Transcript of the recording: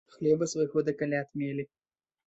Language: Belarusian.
Хлеба свайго да каляд мелі.